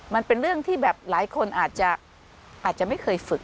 มันเป็นเรื่องที่แบบหลายคนอาจจะไม่เคยฝึก